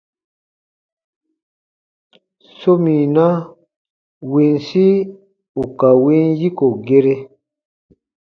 Sominaa winsi ù ka win yiko gere.